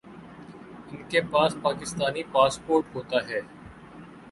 انکے پاس پاکستانی پاسپورٹ ہوتا ہے